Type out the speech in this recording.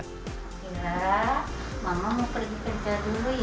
saya mama mau pergi kerja dulu ya